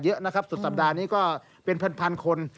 เยอะนะครับสุดสัปดาห์นี้ก็เป็นพันคน